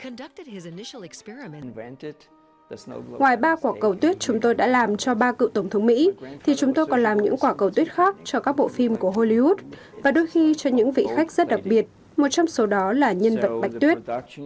ngoài ba quả cầu tuyết chúng tôi đã làm cho ba cựu tổng thống mỹ thì chúng tôi còn làm những quả cầu tuyết khác cho các bộ phim của hollywood và đôi khi cho những vị khách rất đặc biệt một trong số đó là nhân vật bạch tuyết